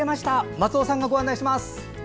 松尾さんがご案内します。